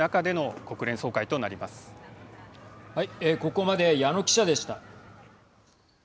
ここまで矢野記者でした。